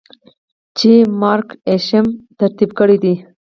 چې Mark Isham ترتيب کړې ده.